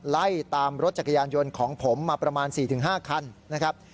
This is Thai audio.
ไล่ตามรถจักรยานยนต์ของผมมาประมาณ๔๕คันนะครับ